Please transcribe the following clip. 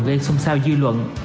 gây sung sao dư luận